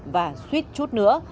và suýt chút nữa